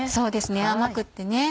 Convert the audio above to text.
甘くってね